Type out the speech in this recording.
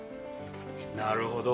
なるほど。